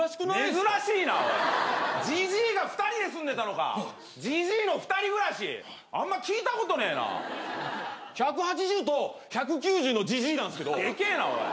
珍しいなおいじじいが２人で住んでたのかじじいの２人暮らしあんま聞いたことねえな１８０と１９０のじじいなんっすけどでけえなおい